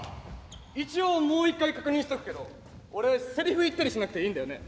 一応もう一回確認しとくけど俺セリフ言ったりしなくていいんだよね？